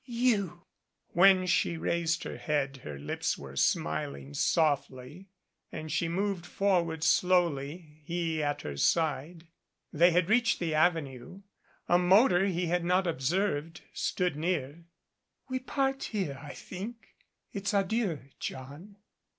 You!" When she raised her head her lips were smiling softly, and she moved forward slowly, he at her side. They had reached the Avenue. A motor he had not observed stood near. "We part here I think. It's adieu, John."